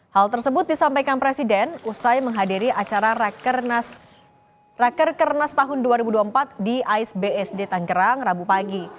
hal tersebut disampaikan presiden usai menghadiri acara raker kernas tahun dua ribu dua puluh empat di ais bsd tanggerang rabu pagi